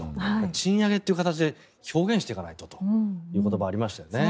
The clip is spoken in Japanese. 賃上げという形で表現していかないとという言葉がありましたよね。